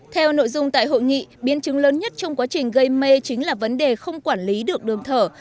theo nội dung tại hội nghị biến chứng lớn nhất trong quá trình gây mê chính là vấn đề không quản lý được đường thở